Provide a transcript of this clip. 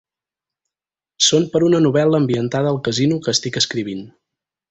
Són per a una novel.la ambientada al casino que estic escrivint.